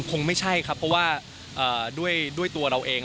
คงไม่ใช่ครับเพราะว่าด้วยตัวเราเอง